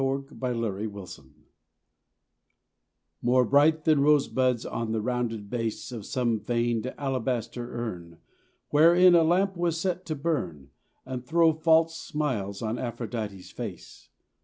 XL THE CIRCUMCISION MORE bright than rosebuds on the rounded base Of some veined alabaster urn, Wherein a lamp was set to burn And throw false smiles on Aphrodite's face.